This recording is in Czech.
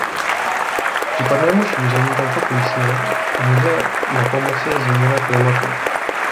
Případnému šíření této plísně muže napomoci změna klimatu.